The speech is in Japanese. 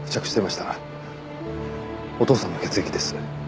お父さんの血液です。